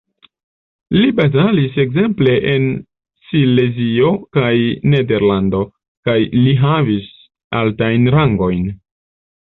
Li batalis ekzemple en Silezio kaj Nederlando, kaj li havis altajn rangojn.